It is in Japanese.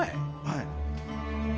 はい。